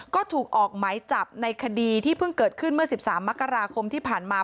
ก็ถูกออกหมายจับในคดีที่เพิ่งเกิดขึ้นเมื่อ๑๓มกราคมที่ผ่านมา